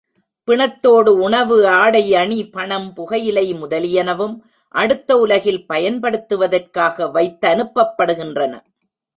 பிணத்தோடு உணவு, ஆடை, அணி, பணம், புகையிலை முதலியனவும் அடுத்த உலகில் பயன்படுத்துவதற்காக வைத்தனுப்பப்படுகின்றன.